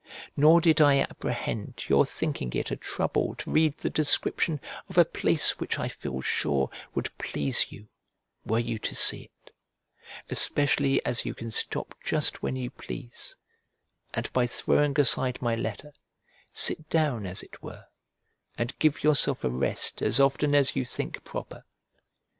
Nor did I apprehend your thinking it a trouble to read the description of a place which I feel sure would please you were you to see it; especially as you can stop just when you please, and by throwing aside my letter, sit down as it were, and give yourself a rest as often as you think proper.